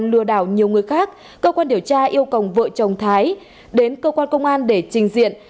lừa đảo nhiều người khác cơ quan điều tra yêu cầu vợ chồng thái đến cơ quan công an để trình diện